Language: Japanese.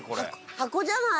箱じゃない？